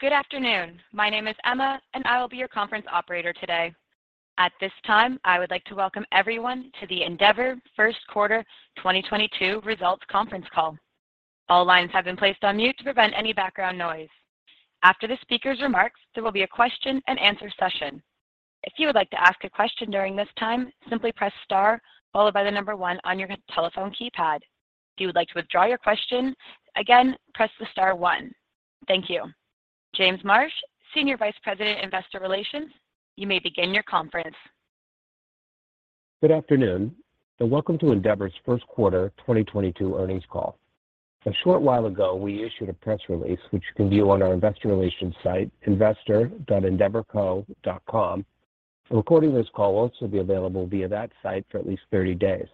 Good afternoon. My name is Emma, and I will be your conference operator today. At this time, I would like to welcome everyone to the Endeavor First Quarter 2022 Results Conference Call. All lines have been placed on mute to prevent any background noise. After the speaker's remarks, there will be a question-and-answer session. If you would like to ask a question during this time, simply press star followed by the number one on your telephone keypad. If you would like to withdraw your question, again, press the star one. Thank you. James Marsh, Senior Vice President, Investor Relations, you may begin your conference. Good afternoon, and welcome to Endeavor's First Quarter 2022 Earnings Call. A short while ago, we issued a press release which you can view on our Investor Relations site, investor.endeavorco.com. A recording of this call will also be available via that site for at least 30 days.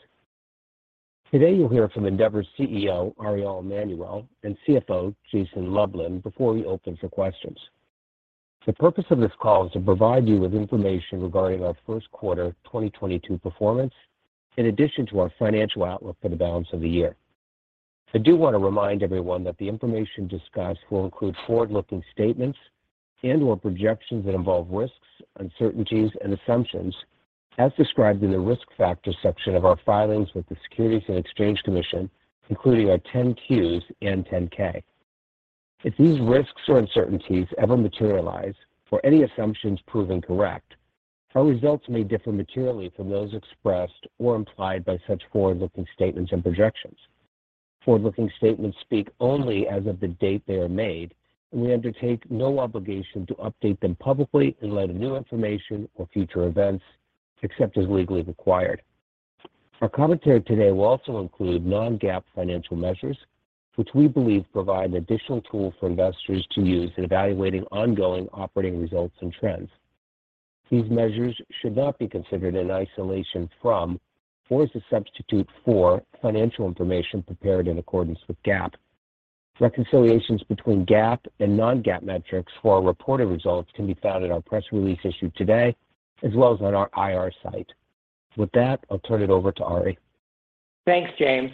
Today, you'll hear from Endeavor's CEO, Ari Emanuel, and CFO, Jason Lublin, before we open for questions. The purpose of this call is to provide you with information regarding our first quarter 2022 performance, in addition to our financial outlook for the balance of the year. I do wanna remind everyone that the information discussed will include forward-looking statements and/or projections that involve risks, uncertainties, and assumptions as described in the Risk Factors section of our filings with the Securities and Exchange Commission, including our 10-Qs and 10-K. If these risks or uncertainties ever materialize or any assumptions prove incorrect, our results may differ materially from those expressed or implied by such forward-looking statements and projections. Forward-looking statements speak only as of the date they are made, and we undertake no obligation to update them publicly in light of new information or future events, except as legally required. Our commentary today will also include non-GAAP financial measures, which we believe provide an additional tool for investors to use in evaluating ongoing operating results and trends. These measures should not be considered in isolation from or as a substitute for financial information prepared in accordance with GAAP. Reconciliations between GAAP and non-GAAP metrics for our reported results can be found in our press release issued today, as well as on our IR site. With that, I'll turn it over to Ari. Thanks, James.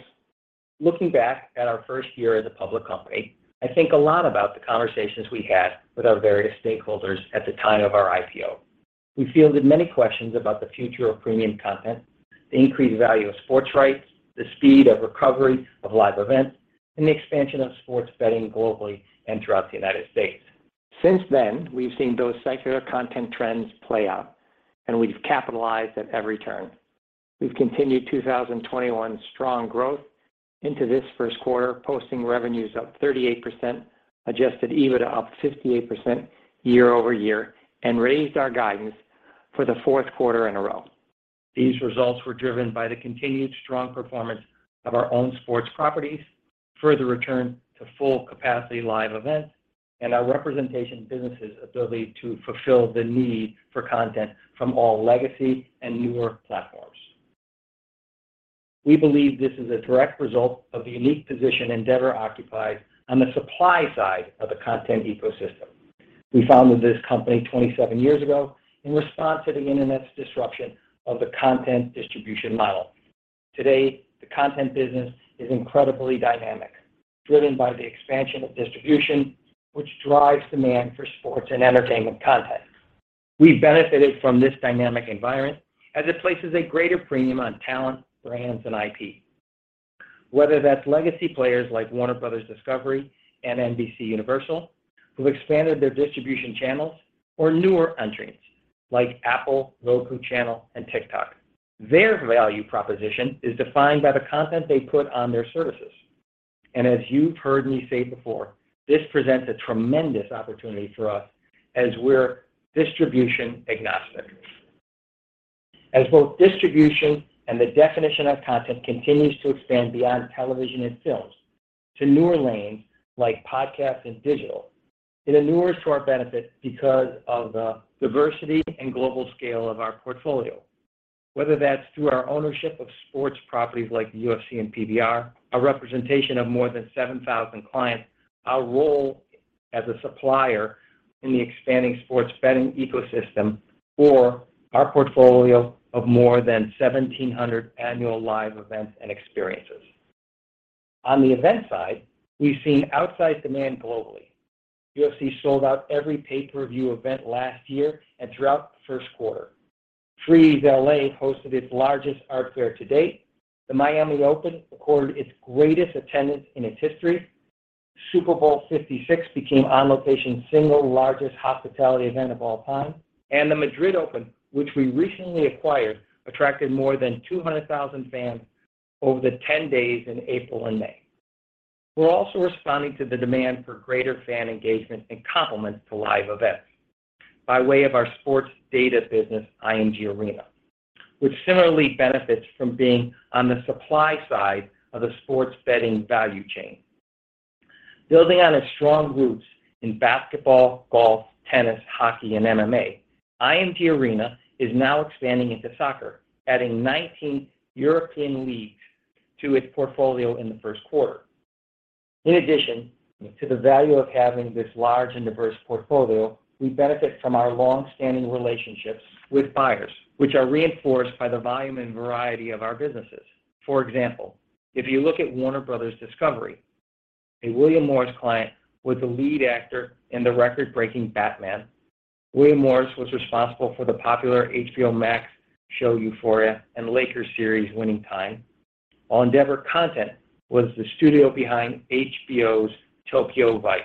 Looking back at our first year as a public company, I think a lot about the conversations we had with our various stakeholders at the time of our IPO. We fielded many questions about the future of premium content, the increased value of sports rights, the speed of recovery of live events, and the expansion of sports betting globally and throughout the United States. Since then, we've seen those secular content trends play out, and we've capitalized at every turn. We've continued 2021 strong growth into this first quarter, posting revenues up 38%, Adjusted EBITDA up 58% year-over-year, and raised our guidance for the fourth quarter in a row. These results were driven by the continued strong performance of our own sports properties, further return to full capacity live events, and our representation business' ability to fulfill the need for content from all legacy and newer platforms. We believe this is a direct result of the unique position Endeavor occupies on the supply side of the content ecosystem. We founded this company 27 years ago in response to the Internet's disruption of the content distribution model. Today, the content business is incredibly dynamic, driven by the expansion of distribution, which drives demand for sports and entertainment content. We've benefited from this dynamic environment as it places a greater premium on talent, brands, and IP. Whether that's legacy players like Warner Bros. Discovery and NBCUniversal who've expanded their distribution channels or newer entrants like Apple, Roku Channel, and TikTok, their value proposition is defined by the content they put on their services. As you've heard me say before, this presents a tremendous opportunity for us as we're distribution agnostic. As both distribution and the definition of content continues to expand beyond television and films to newer lanes like podcast and digital, it inures to our benefit because of the diversity and global scale of our portfolio. Whether that's through our ownership of sports properties like the UFC and PBR, our representation of more than 7,000 clients, our role as a supplier in the expanding sports betting ecosystem or our portfolio of more than 1,700 annual live events and experiences. On the event side, we've seen outsized demand globally. UFC sold out every pay-per-view event last year and throughout the first quarter. Frieze LA hosted its largest art fair to date. The Miami Open recorded its greatest attendance in its history. Super Bowl LVI became On Location's single largest hospitality event of all time. The Madrid Open, which we recently acquired, attracted more than 200,000 fans over the 10 days in April and May. We're also responding to the demand for greater fan engagement and complement to live events by way of our sports data business, IMG Arena, which similarly benefits from being on the supply side of the sports betting value chain. Building on its strong roots in basketball, golf, tennis, hockey, and MMA, IMG Arena is now expanding into soccer, adding 19 European leagues to its portfolio in the first quarter. In addition to the value of having this large and diverse portfolio, we benefit from our long-standing relationships with buyers, which are reinforced by the volume and variety of our businesses. For example, if you look at Warner Bros. Discovery, a William Morris client was the lead actor in the record-breaking The Batman. William Morris was responsible for the popular HBO Max show Euphoria and the Lakers series Winning Time: The Rise of the Lakers Dynasty, while Endeavor Content was the studio behind HBO's Tokyo Vice.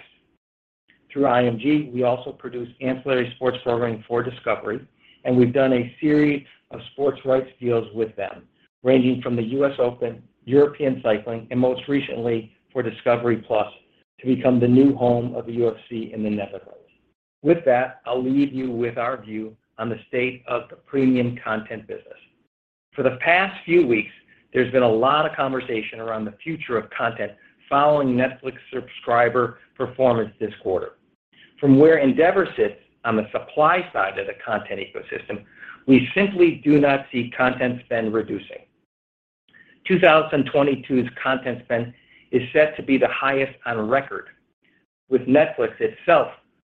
Through IMG, we also produce ancillary sports programming for Discovery, and we've done a series of sports rights deals with them, ranging from the U.S. Open, European Cycling, and most recently for discovery+ to become the new home of the UFC in the Netherlands. With that, I'll leave you with our view on the state of the premium content business. For the past few weeks, there's been a lot of conversation around the future of content following Netflix subscriber performance this quarter. From where Endeavor sits on the supply side of the content ecosystem, we simply do not see content spend reducing. 2022's content spend is set to be the highest on record, with Netflix itself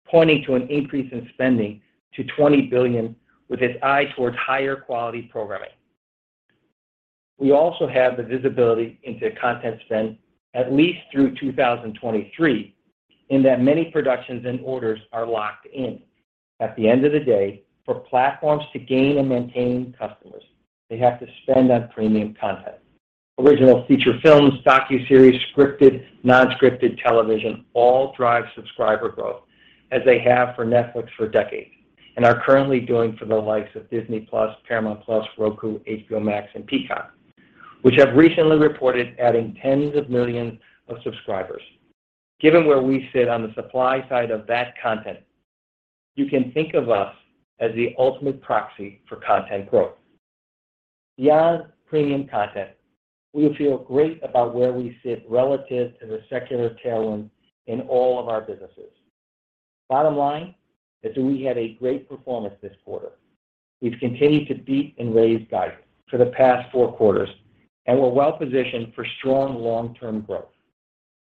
pointing to an increase in spending to $20 billion with its eye towards higher quality programming. We also have the visibility into content spend at least through 2023, in that many productions and orders are locked in. At the end of the day, for platforms to gain and maintain customers, they have to spend on premium content. Original feature films, docuseries, scripted, non-scripted television all drive subscriber growth, as they have for Netflix for decades, and are currently doing for the likes of Disney+, Paramount+, Roku, HBO Max, and Peacock, which have recently reported adding tens of millions of subscribers. Given where we sit on the supply side of that content, you can think of us as the ultimate proxy for content growth. Beyond premium content, we feel great about where we sit relative to the secular tailwind in all of our businesses. Bottom line is that we had a great performance this quarter. We've continued to beat and raise guidance for the past four quarters, and we're well positioned for strong long-term growth.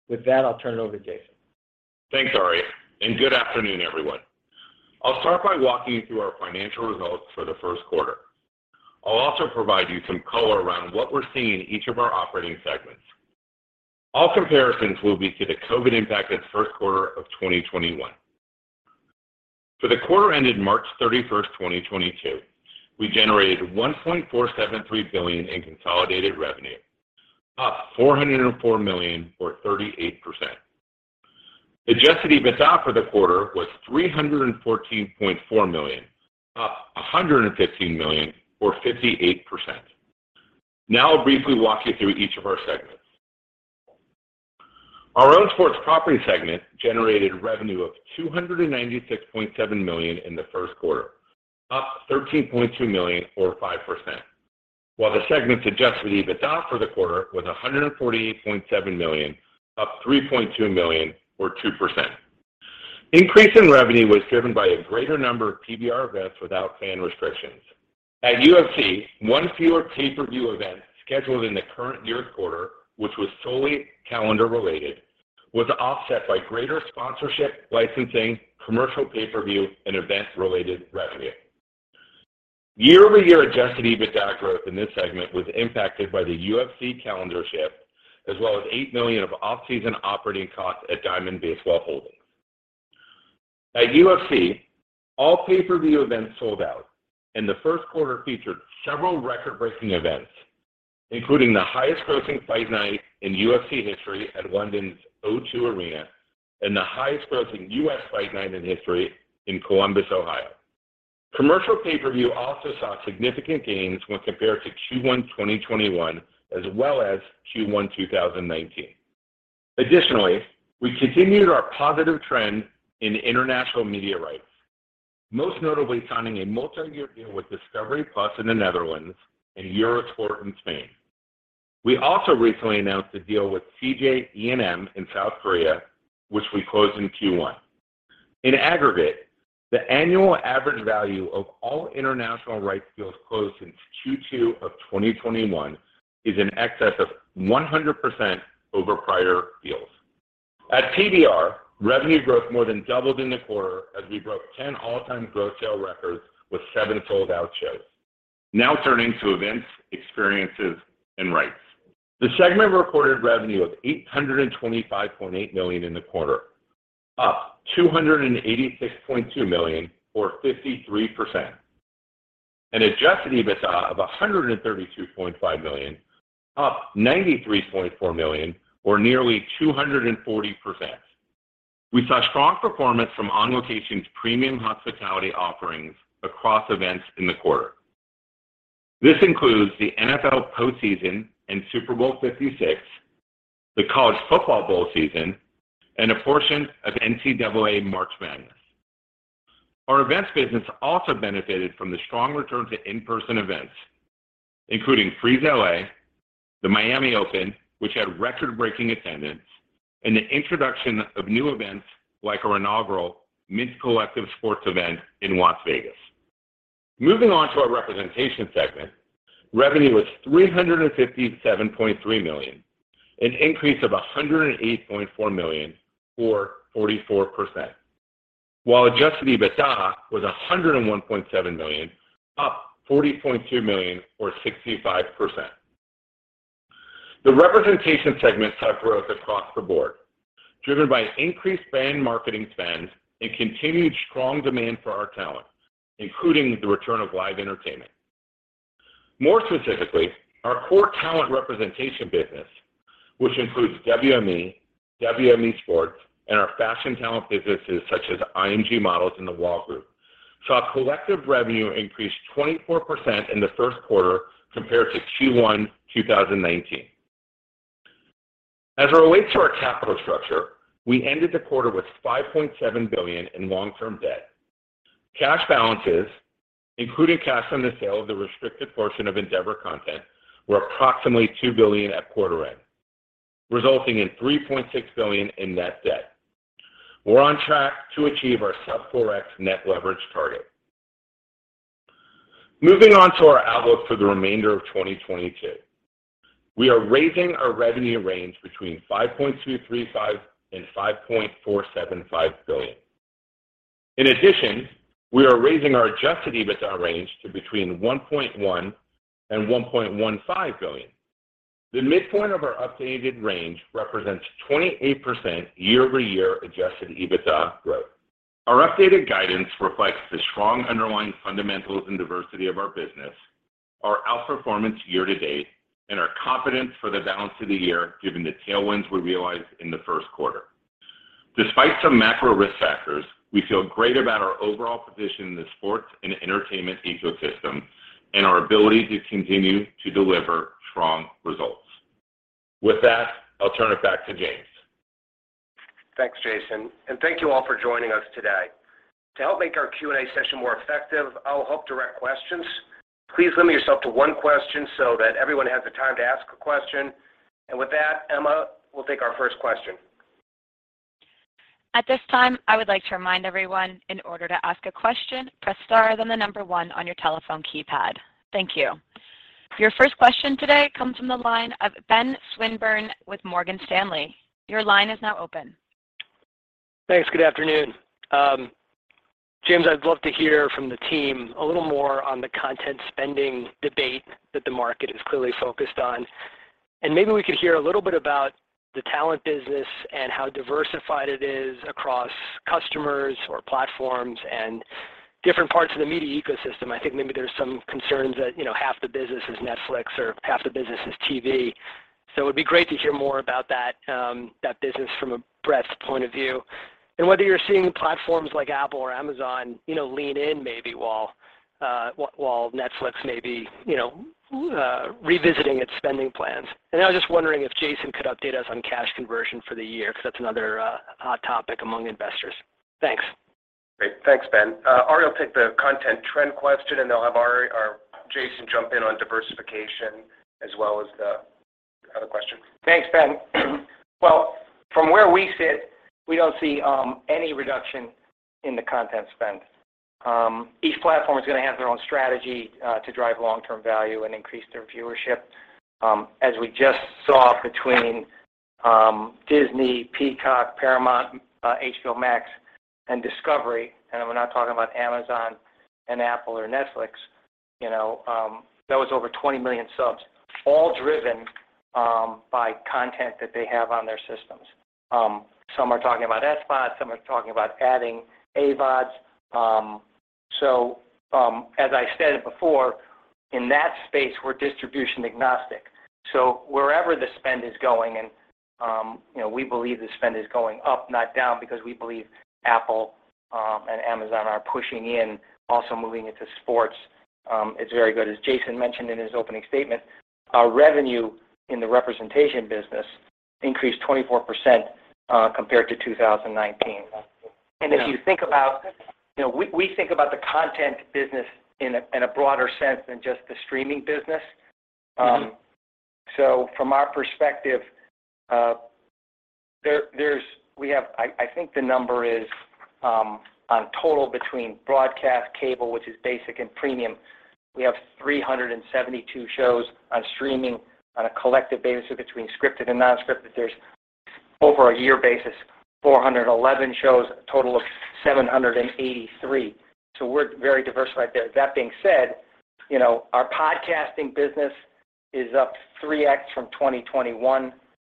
With that, I'll turn it over to Jason. Thanks, Ari, and good afternoon, everyone. I'll start by walking you through our financial results for the first quarter. I'll also provide you some color around what we're seeing in each of our operating segments. All comparisons will be to the COVID-impacted first quarter of 2021. For the quarter ended March 31st, 2022, we generated $1.473 billion in consolidated revenue, up $404 million or 38%. Adjusted EBITDA for the quarter was $314.4 million, up $115 million or 58%. Now I'll briefly walk you through each of our segments. Our owned sports property segment generated revenue of $296.7 million in the first quarter, up $13.2 million or 5%, while the segment's Adjusted EBITDA for the quarter was $148.7 million, up $3.2 million or 2%. Increase in revenue was driven by a greater number of PBR events without fan restrictions. At UFC, one fewer pay-per-view event scheduled in the current year's quarter, which was solely calendar related, was offset by greater sponsorship, licensing, commercial pay-per-view, and event-related revenue. Year-over-year Adjusted EBITDA growth in this segment was impacted by the UFC calendar shift as well as $8 million of off-season operating costs at Diamond Baseball Holdings. At UFC, all pay-per-view events sold out, and the first quarter featured several record-breaking events, including the highest grossing fight night in UFC history at London's O2 Arena and the highest grossing U.S. fight night in history in Columbus, Ohio. Commercial pay-per-view also saw significant gains when compared to Q1 2021 as well as Q1 2019. Additionally, we continued our positive trend in international media rights, most notably signing a multi-year deal with discovery+ in the Netherlands and Eurosport in Spain. We also recently announced a deal with CJ ENM in South Korea, which we closed in Q1. In aggregate, the annual average value of all international rights deals closed since Q2 of 2021 is in excess of 100% over prior deals. At PBR, revenue growth more than doubled in the quarter as we broke 10 all-time gross sale records with seven sold-out shows. Now turning to Events, Experiences, and Rights. The segment recorded revenue of $825.8 million in the quarter, up $286.2 million or 53%, an Adjusted EBITDA of $132.5 million, up $93.4 million or nearly 240%. We saw strong performance from On Location's premium hospitality offerings across events in the quarter. This includes the NFL postseason and Super Bowl LVI, the College Football Bowl Season, and a portion of NCAA March Madness. Our events business also benefited from the strong return to in-person events, including Frieze LA, the Miami Open, which had record-breaking attendance, and the introduction of new events like our inaugural The MINT Collective sports event in Las Vegas. Moving on to our representation segment, revenue was $357.3 million, an increase of $108.4 million or 44%. While Adjusted EBITDA was $101.7 million, up $40.2 million or 65%. The representation segments have growth across the board, driven by increased brand marketing spend and continued strong demand for our talent, including the return of live entertainment. More specifically, our core talent representation business, which includes WME Sports, and our fashion talent businesses such as IMG Models and The Wall Group, saw collective revenue increase 24% in the first quarter compared to Q1 2019. As it relates to our capital structure, we ended the quarter with $5.7 billion in long-term debt. Cash balances, including cash from the sale of the restricted portion of Endeavor Content, were approximately $2 billion at quarter end, resulting in $3.6 billion in net debt. We're on track to achieve our sub-4x net leverage target. Moving on to our outlook for the remainder of 2022. We are raising our revenue range between $5.235 billion-$5.475 billion. In addition, we are raising our Adjusted EBITDA range to between $1.1 billion-$1.15 billion. The midpoint of our updated range represents 28% year-over-year Adjusted EBITDA growth. Our updated guidance reflects the strong underlying fundamentals and diversity of our business, our outperformance year-to-date, and our confidence for the balance of the year given the tailwinds we realized in the first quarter. Despite some macro risk factors, we feel great about our overall position in the sports and entertainment ecosystem and our ability to continue to deliver strong results. With that, I'll turn it back to James. Thanks, Jason, and thank you all for joining us today. To help make our Q&A session more effective, I'll help direct questions. Please limit yourself to one question so that everyone has the time to ask a question. With that, Emma, we'll take our first question. At this time, I would like to remind everyone in order to ask a question, press star, then the number one on your telephone keypad. Thank you. Your first question today comes from the line of Ben Swinburne with Morgan Stanley. Your line is now open. Thanks. Good afternoon. James, I'd love to hear from the team a little more on the content spending debate that the market is clearly focused on. Maybe we could hear a little bit about the talent business and how diversified it is across customers or platforms and different parts of the media ecosystem. I think maybe there's some concerns that, you know, half the business is Netflix or half the business is TV. It'd be great to hear more about that business from a breadth point of view. Whether you're seeing platforms like Apple or Amazon, you know, lean in maybe while Netflix may be, you know, revisiting its spending plans. I was just wondering if Jason could update us on cash conversion for the year because that's another hot topic among investors. Thanks. Great. Thanks, Ben. Ari will take the content trend question, and then I'll have Ari or Jason jump in on diversification as well as the other question. Thanks, Ben. Well, from where we sit, we don't see any reduction in the content spend. Each platform is gonna have their own strategy to drive long-term value and increase their viewership. As we just saw between Disney, Peacock, Paramount, HBO Max, and Discovery, and we're not talking about Amazon and Apple or Netflix, you know, that was over 20 million subs, all driven by content that they have on their systems. Some are talking about SVOD, some are talking about adding AVODs. As I stated before, in that space, we're distribution agnostic. Wherever the spend is going and, you know, we believe the spend is going up, not down, because we believe Apple and Amazon are pushing in, also moving into sports, it's very good. As Jason mentioned in his opening statement, our revenue in the representation business increased 24%, compared to 2019. Yeah. If you think about, you know, we think about the content business in a broader sense than just the streaming business. Mm-hmm. From our perspective, I think the number is on total between broadcast cable, which is basic and premium, we have 372 shows on streaming on a collective basis between scripted and non-scripted. There's over a year basis, 411 shows, a total of 783. We're very diversified there. That being said, you know, our podcasting business is up 3x from 2021. Mm.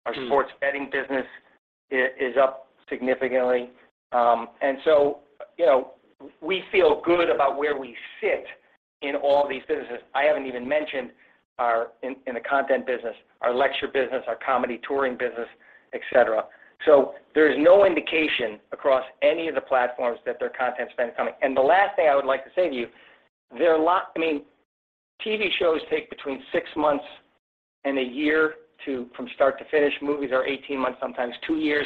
Our sports betting business is up significantly. You know, we feel good about where we sit in all these businesses. I haven't even mentioned in the content business, our lecture business, our comedy touring business, et cetera. There is no indication across any of the platforms that their content spend is coming. The last thing I would like to say to you, I mean, TV shows take between six months and a year to from start to finish. Movies are 18 months, sometimes two years.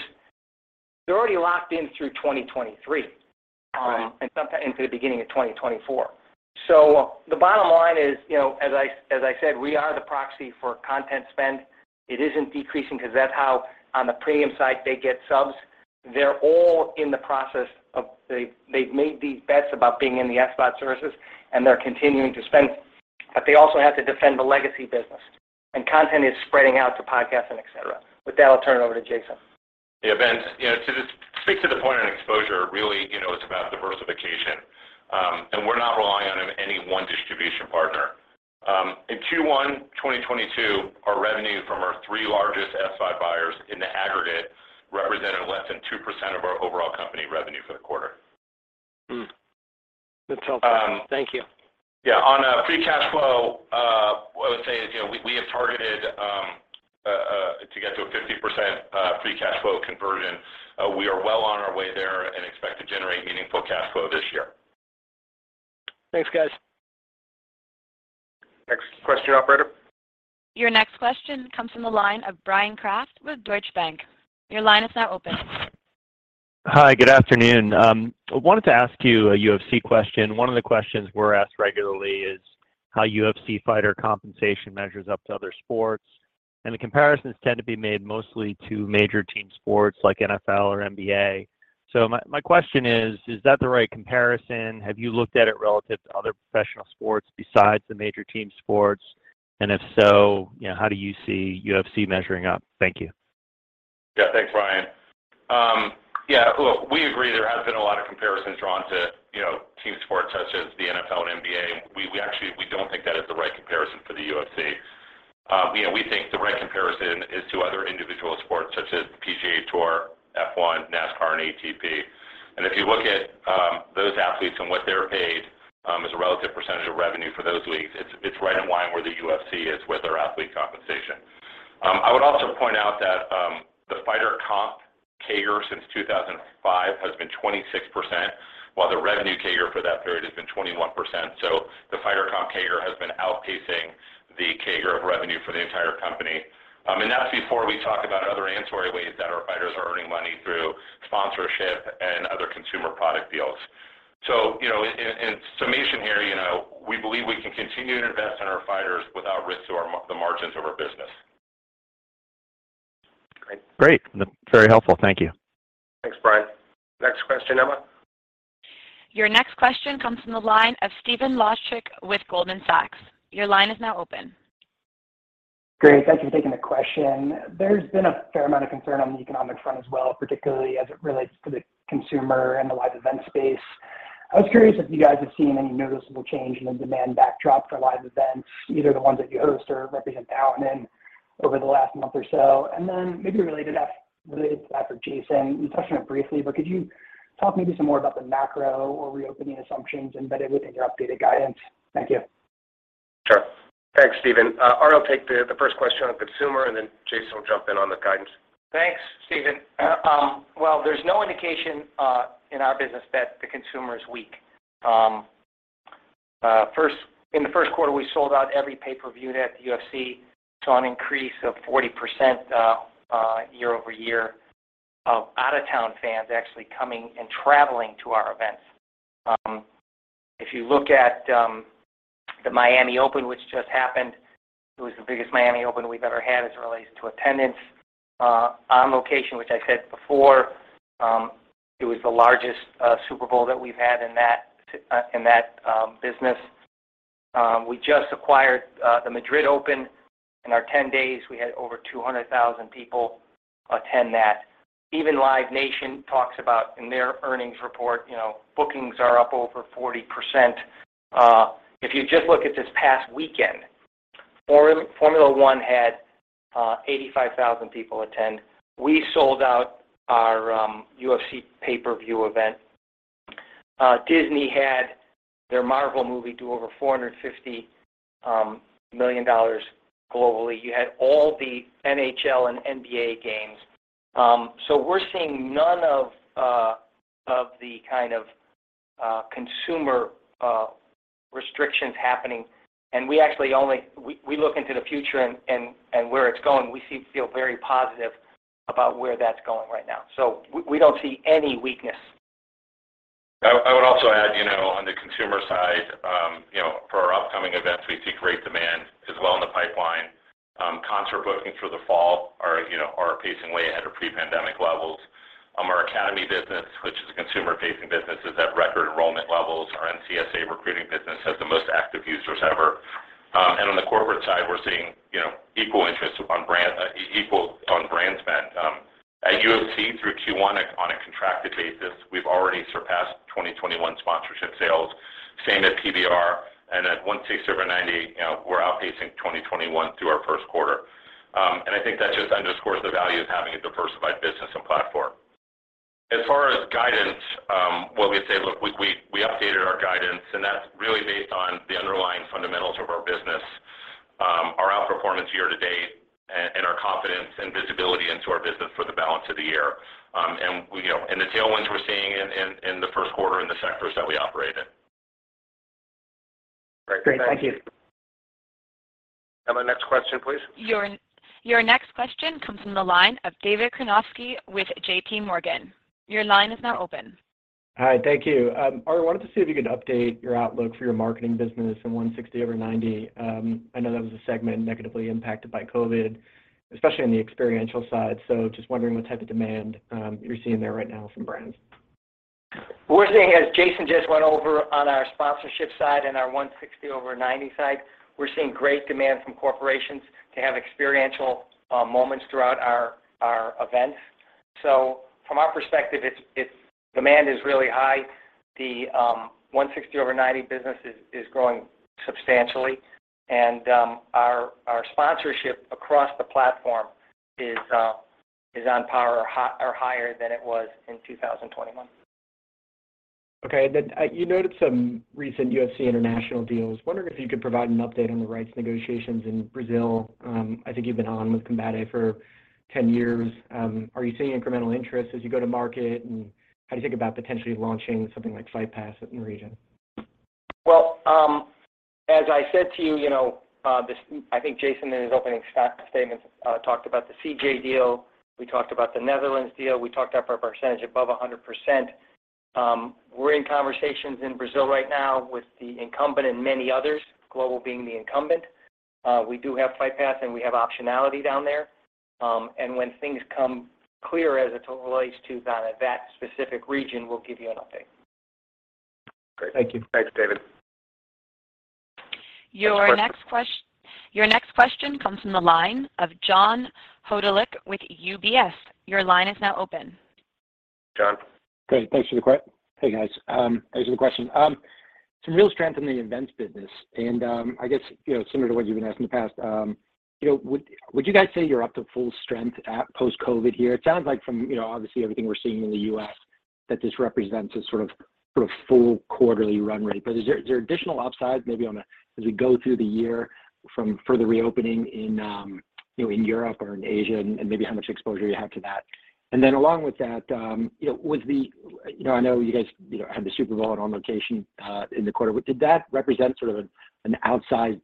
They're already locked in through 2023. Right. Sometime into the beginning of 2024. The bottom line is, you know, as I said, we are the proxy for content spend. It isn't decreasing 'cause that's how on the premium side they get subs. They're all in the process of they've made these bets about being in the SVOD services, and they're continuing to spend. They also have to defend the legacy business, and content is spreading out to podcasts and et cetera. With that, I'll turn it over to Jason. Yeah, Ben, you know, to just speak to the point on exposure, really, you know, it's about diversification. We're not relying on any one distribution partner. In Q1 2022, our revenue from our three largest SVOD buyers in the aggregate represented less than 2% of our overall company revenue for the quarter. That's helpful. Um- Thank you. Yeah. On free cash flow, what I would say is, you know, we have targeted to get to a 50% free cash flow conversion. We are well on our way there and expect to generate meaningful cash flow this year. Thanks, guys. Next question, operator. Your next question comes from the line of Bryan Kraft with Deutsche Bank. Your line is now open. Hi. Good afternoon. I wanted to ask you a UFC question. One of the questions we're asked regularly is how UFC fighter compensation measures up to other sports, and the comparisons tend to be made mostly to major team sports like NFL or NBA. My question is that the right comparison? Have you looked at it relative to other professional sports besides the major team sports? If so, you know, how do you see UFC measuring up? Thank you. Yeah, thanks, Bryan. Yeah, look, we agree there has been a lot of comparisons drawn to, you know, team sports such as the NFL and NBA, and we actually don't think that is the right comparison for the UFC. You know, we think the right comparison is to other individual sports such as PGA TOUR, F1, NASCAR, and ATP. If you look at those athletes and what they're paid, as a relative percentage of revenue for those leagues, it's right in line where the UFC is with our athlete compensation. I would also point out that the fighter comp CAGR since 2005 has been 26%, while the revenue CAGR for that period has been 21%. The fighter comp CAGR has been outpacing the CAGR of revenue for the entire company. That's before we talk about other ancillary ways that our fighters are earning money through sponsorship and other consumer product deals. You know, in summation here, you know, we believe we can continue to invest in our fighters without risk to the margins of our business. Great. Look, very helpful. Thank you. Thanks, Bryan. Next question, Emma. Your next question comes from the line of Stephen Laszczyk with Goldman Sachs. Your line is now open. Great. Thanks for taking the question. There's been a fair amount of concern on the economic front as well, particularly as it relates to the consumer and the live event space. I was curious if you guys have seen any noticeable change in the demand backdrop for live events, either the ones that you host or represent now and then over the last month or so. Then maybe related to that for Jason, you touched on it briefly, but could you talk maybe some more about the macro or reopening assumptions embedded within your updated guidance? Thank you. Sure. Thanks, Stephen. Ari'll take the first question on consumer, and then Jason will jump in on the guidance. Thanks, Stephen. Well, there's no indication in our business that the consumer is weak. In the first quarter, we sold out every pay-per-view event at the UFC, saw an increase of 40% year-over-year of out-of-town fans actually coming and traveling to our events. If you look at the Miami Open, which just happened, it was the biggest Miami Open we've ever had as it relates to attendance. On Location, which I said before, it was the largest Super Bowl that we've had in that business. We just acquired the Madrid Open. In our 10 days, we had over 200,000 people attend that. Even Live Nation talks about in their earnings report, you know, bookings are up over 40%. If you just look at this past weekend, Formula One had 85,000 people attend. We sold out our UFC pay-per-view event. Disney had their Marvel movie did over $450 million globally. You had all the NHL and NBA games. We're seeing none of the kind of consumer restrictions happening, and we actually look into the future and where it's going. We feel very positive about where that's going right now. We don't see any weakness. I would also add, you know, on the consumer side, you know, for our upcoming events, we see great demand as well in the pipeline. Concert bookings for the fall are pacing way ahead of pre-pandemic levels. Our academy business, which is a consumer-facing business, is at record enrollment levels. Our NCSA recruiting business has the most active users ever. And on the corporate side, we're seeing, you know, equal interest on brand, equal on brand spend. At UFC through Q1 on a contracted basis, we've already surpassed 2021 sponsorship sales. Same at PBR and at 160over90, you know, we're outpacing 2021 through our first quarter. And I think that just underscores the value of having a diversified business and platform. As far as guidance, what we'd say, look, we updated our guidance, and that's really based on the underlying fundamentals of our business, our outperformance year-to-date and our confidence and visibility into our business for the balance of the year, and we, you know, and the tailwinds we're seeing in the first quarter in the sectors that we operate in. Great. Thank you. Emma, next question, please. Your next question comes from the line of David Karnovsky with JPMorgan. Your line is now open. Hi. Thank you. Ari, wanted to see if you could update your outlook for your marketing business in 160over90. I know that was a segment negatively impacted by COVID, especially on the experiential side. Just wondering what type of demand you're seeing there right now from brands. We're seeing, as Jason just went over on our sponsorship side and our 160over90 side, we're seeing great demand from corporations to have experiential moments throughout our events. From our perspective, demand is really high. The 160over90 business is growing substantially. Our sponsorship across the platform is on par or higher than it was in 2021. You noted some recent UFC international deals. Wondering if you could provide an update on the rights negotiations in Brazil. I think you've been on with Combate for 10 years. Are you seeing incremental interest as you go to market, and how do you think about potentially launching something like Fight Pass in the region? Well, as I said to you know, I think Jason in his opening statements talked about the CJ deal. We talked about the Netherlands deal. We talked up our percentage above 100%. We're in conversations in Brazil right now with the incumbent and many others, Globo being the incumbent. We do have Fight Pass, and we have optionality down there. When things come clear as it relates to that specific region, we'll give you an update. Great. Thank you. Thanks, David. Your next quest- Next question. Your next question comes from the line of John Hodulik with UBS. Your line is now open. John. Great. Thanks for the question. Hey, guys. Thanks for the question. Some real strength in the events business, and I guess, you know, similar to what you've been asked in the past, you know, would you guys say you're up to full strength post-COVID here? It sounds like from, you know, obviously everything we're seeing in the U.S. that this represents a sort of full quarterly run rate. But is there additional upside maybe as we go through the year from further reopening in, you know, in Europe or in Asia and maybe how much exposure you have to that? And then along with that, you know, I know you guys had the Super Bowl and On Location in the quarter. Did that represent sort of an outsized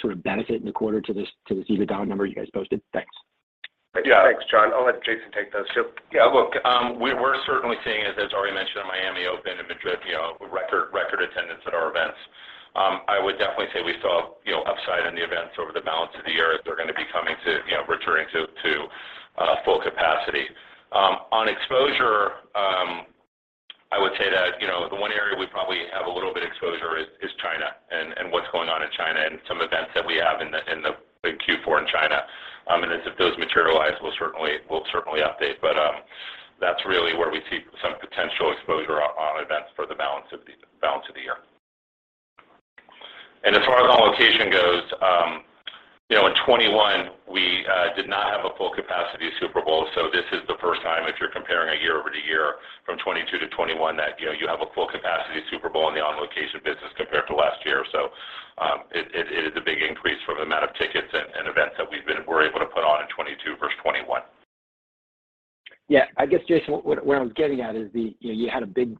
sort of benefit in the quarter to this EBITDA number you guys posted? Thanks. Yeah. Thanks, John. I'll let Jason take those too. Yeah, look, we're certainly seeing as Ari mentioned in Miami Open and Madrid, you know, record attendance at our events. I would definitely say we saw, you know, upside in the events over the balance of the year as they're gonna be returning to full capacity. On exposure, I would say that, you know, the one area we probably have a little bit exposure is China and what's going on in China and some events that we have in Q4 in China. If those materialize, we'll certainly update. That's really where we see some potential exposure on events for the balance of the year. As far as On Location goes, you know, in 2021 we did not have a full capacity Super Bowl, so this is the first time if you're comparing year-over-year from 2022 to 2021 that, you know, you have a full capacity Super Bowl in the On Location business compared to last year. It is a big increase from the amount of tickets and events that we were able to put on in 2022 versus 2021. Yeah. I guess, Jason, what I was getting at is, you know, you had a big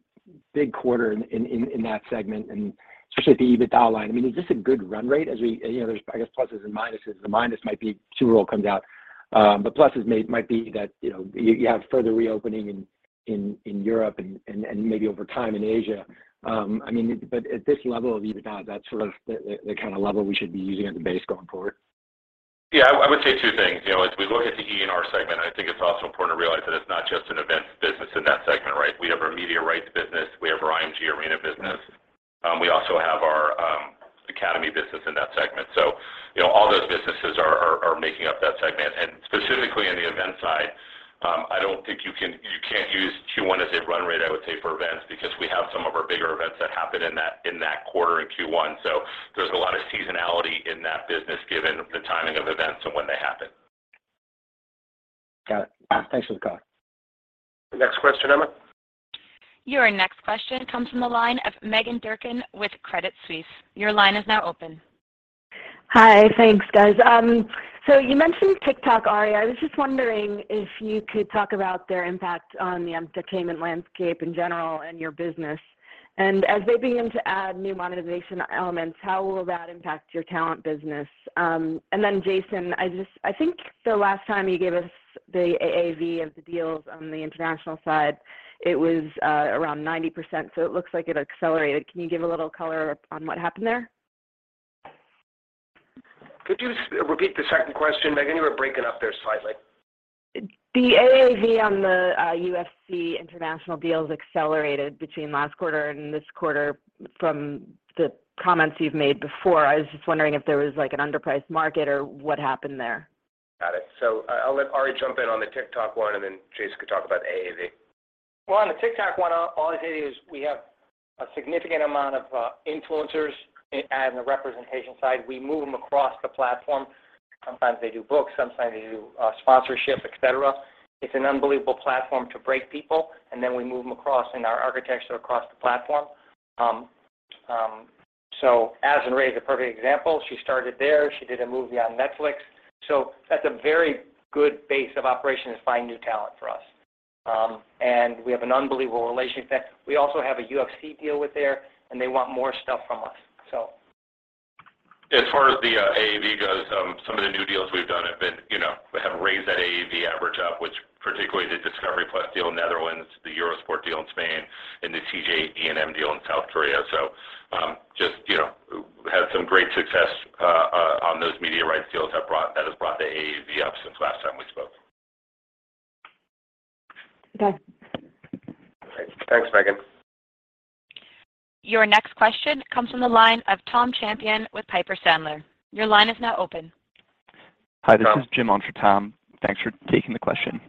quarter in that segment and especially at the EBITDA line. I mean, is this a good run rate. You know, there's, I guess, pluses and minuses. The minus might be Super Bowl comes out. Pluses might be that, you know, you have further reopening in Europe and maybe over time in Asia. I mean, but at this level of EBITDA, that's sort of the kind of level we should be using as a base going forward. Yeah. I would say two things. You know, as we look at the EE&R segment, I think it's also important to realize that it's not just an events business in that segment, right? We have our media rights business. We have our IMG Arena business. We also have our academy business in that segment. You know, all those businesses are making up that segment. Specifically on the event side, I don't think you can't use Q1 as a run rate, I would say, for events because we have some of our bigger events that happen in that quarter in Q1. There's a lot of seasonality in that business given the timing of events and when they happen. Got it. Thanks for the call. Next question, Emma. Your next question comes from the line of Meghan Durkin with Credit Suisse. Your line is now open. Hi. Thanks, guys. You mentioned TikTok, Ari. I was just wondering if you could talk about their impact on the entertainment landscape in general and your business. As they begin to add new monetization elements, how will that impact your talent business? Jason, I think the last time you gave us the AAV of the deals on the international side, it was around 90%, so it looks like it accelerated. Can you give a little color on what happened there? Could you repeat the second question, Megan? You were breaking up there slightly. The AAV on the UFC international deals accelerated between last quarter and this quarter from the comments you've made before. I was just wondering if there was like an underpriced market or what happened there. Got it. I'll let Ari jump in on the TikTok one, and then Jason could talk about the AAV. Well, on the TikTok one, all I'd say is we have a significant amount of influencers on the representation side. We move them across the platform. Sometimes they do books, sometimes they do sponsorship, et cetera. It's an unbelievable platform to break people, and then we move them across in our architecture across the platform. Addison Rae is a perfect example. She started there. She did a movie on Netflix. That's a very good base of operations to find new talent for us. We have an unbelievable relationship there. We also have a UFC deal with there, and they want more stuff from us, so... As far as the AAV goes, some of the new deals we've done, you know, have raised that AAV average up, which, particularly the discovery+ deal in the Netherlands, the Eurosport deal in Spain, and the CJ ENM deal in South Korea. Just, you know, had some great success. Those media rights deals that has brought the AAV up since last time we spoke. Okay. All right. Thanks, Meghan. Your next question comes from the line of Tom Champion with Piper Sandler. Your line is now open. Hi. This is Jim on for Tom. Thanks for taking the question.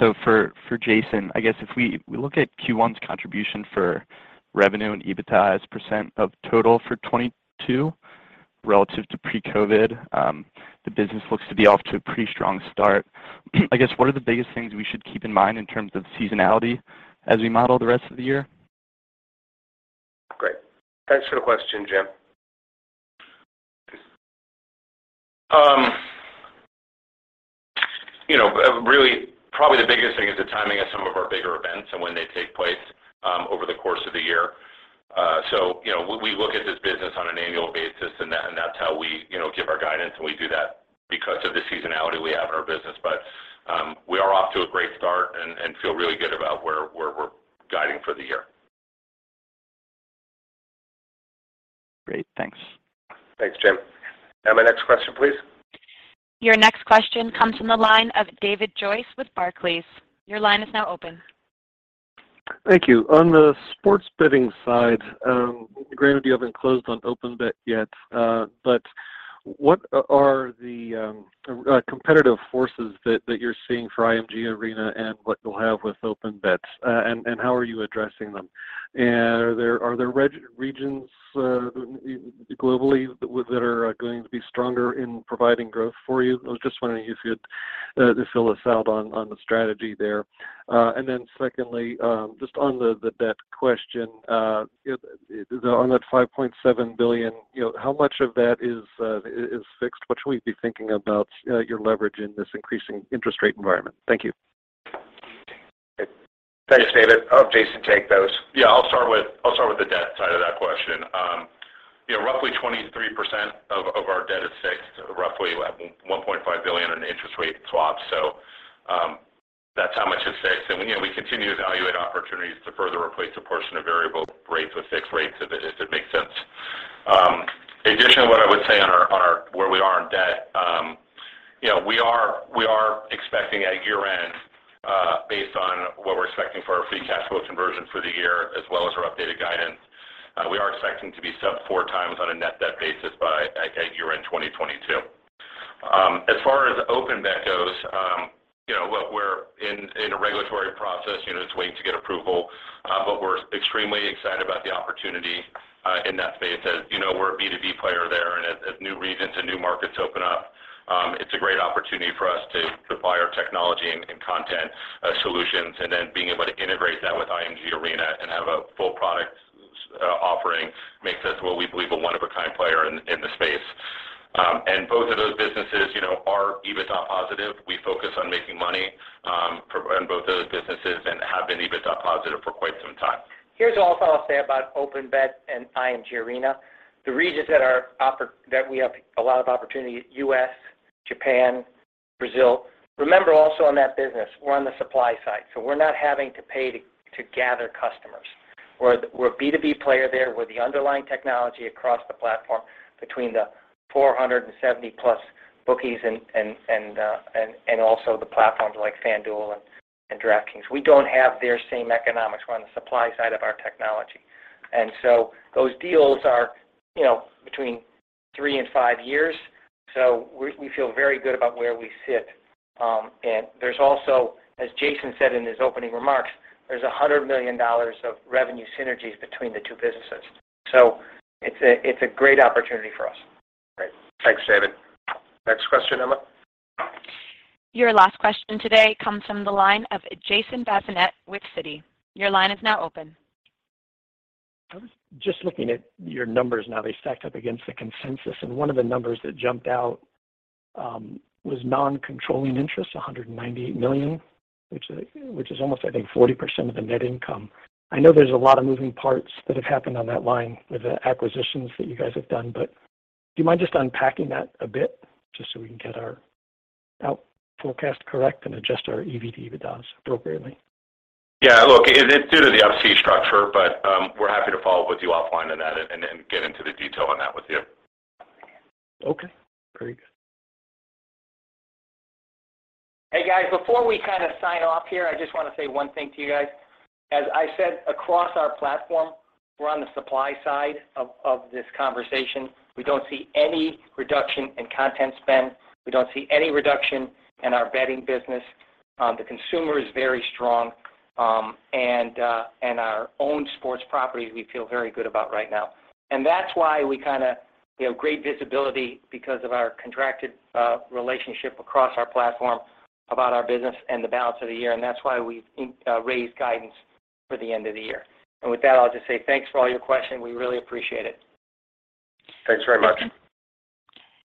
So for Jason, I guess if we look at Q1's contribution for revenue and EBITDA as percent of total for 2022 relative to pre-COVID, the business looks to be off to a pretty strong start. I guess, what are the biggest things we should keep in mind in terms of seasonality as we model the rest of the year? Great. Thanks for the question, Jim. You know, really probably the biggest thing is the timing of some of our bigger events and when they take place over the course of the year. You know, we look at this business on an annual basis, and that's how we give our guidance, and we do that because of the seasonality we have in our business. We are off to a great start and feel really good about where we're guiding for the year. Great. Thanks. Thanks, Jim. Emma next question, please. Your next question comes from the line of David Joyce with Barclays. Your line is now open. Thank you. On the sports betting side, granted you haven't closed on OpenBet yet, but what are the competitive forces that you're seeing for IMG Arena and what you'll have with OpenBet? And how are you addressing them? Are there regions globally that are going to be stronger in providing growth for you? I was just wondering if you'd fill us in on the strategy there. Then secondly, just on the debt question, you know, on that $5.7 billion, you know, how much of that is fixed? What should we be thinking about your leverage in this increasing interest rate environment? Thank you. Thanks, David. I'll have Jason take those. Yeah. I'll start with the debt side of that question. You know, roughly 23% of our debt is fixed, roughly $1.5 billion in interest rate swaps. That's how much is fixed. You know, we continue to evaluate opportunities to further replace a portion of variable rates with fixed rates if it makes sense. Additionally, what I would say on our where we are in debt, you know, we are expecting at year-end, based on what we're expecting for our free cash flow conversion for the year as well as our updated guidance, we are expecting to be sub 4x on a net debt basis by at year-end 2022. As far as OpenBet goes, you know, we're in a regulatory process. You know, just waiting to get approval. We're extremely excited about the opportunity in that space as, you know, we're a B2B player there. As new regions and new markets open up, it's a great opportunity for us to deploy our technology and content solutions, and then being able to integrate that with IMG Arena and have a full product offering makes us what we believe a one-of-a-kind player in the space. Both of those businesses, you know, are EBITDA positive. We focus on making money in both of those businesses and have been EBITDA positive for quite some time. Here's all I'll say about OpenBet and IMG Arena. The regions that we have a lot of opportunity, U.S., Japan, Brazil. Remember also on that business, we're on the supply side, so we're not having to pay to gather customers. We're a B2B player there. We're the underlying technology across the platform between the 470+ bookies and also the platforms like FanDuel and DraftKings. We don't have their same economics. We're on the supply side of our technology. Those deals are, you know, between three-five years, so we feel very good about where we sit. And there's also, as Jason said in his opening remarks, there's $100 million of revenue synergies between the two businesses. It's a great opportunity for us. Great. Thanks, David. Next question, Emma. Your last question today comes from the line of Jason Bazinet with Citi. Your line is now open. I was just looking at your numbers now. They stacked up against the consensus, and one of the numbers that jumped out was non-controlling interest, $198 million, which is almost, I think 40% of the net income. I know there's a lot of moving parts that have happened on that line with the acquisitions that you guys have done, but do you mind just unpacking that a bit just so we can get our outlook forecast correct and adjust our EV to EBITDA appropriately? Yeah. Look, it's due to the Up-C structure, but we're happy to follow up with you offline on that and get into the detail on that with you. Okay. Very good. Hey, guys, before we kind of sign off here, I just wanna say one thing to you guys. As I said, across our platform, we're on the supply side of this conversation. We don't see any reduction in content spend. We don't see any reduction in our betting business. The consumer is very strong, and our own sports properties we feel very good about right now. That's why we kind of, you know, great visibility because of our contracted relationship across our platform about our business and the balance of the year, and that's why we've raised guidance for the end of the year. With that, I'll just say thanks for all your questions. We really appreciate it. Thanks very much.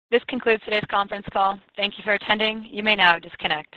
This concludes today's conference call. Thank you for attending. You may now disconnect.